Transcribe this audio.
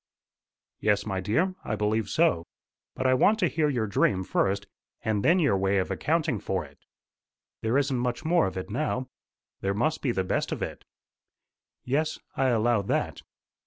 "Yes, my dear; I believe so. But I want to hear your dream first, and then your way of accounting for it." "There isn't much more of it now." "There must be the best of it." "Yes; I allow that.